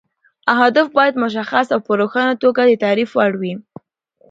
اهداف باید مشخص او په روښانه توګه د تعریف وړ وي.